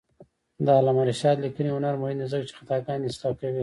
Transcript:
د علامه رشاد لیکنی هنر مهم دی ځکه چې خطاګانې اصلاح کوي.